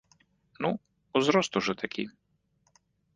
Ну, узрост ужо такі!